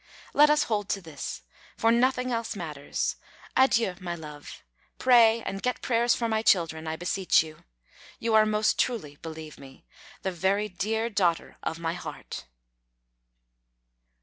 Let us hold to this, for nothing else matters. Adieu, my love. Pray, and get prayers for my children, I beseech you. You are most truly, believe me, the very dear daughter of my heart.